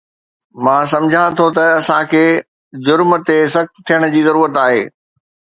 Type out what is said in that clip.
مان سمجهان ٿو ته اسان کي جرم تي سخت ٿيڻ جي ضرورت آهي